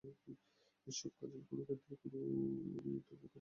এসব কাজের কোনো ক্ষেত্রে কোনো অনিয়ম থাকলে কাঠগড়ায় দাঁড়াতে বললে দাঁড়াব।